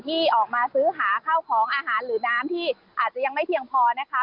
ที่ออกมาซื้อหาข้าวของอาหารหรือน้ำที่อาจจะยังไม่เพียงพอนะคะ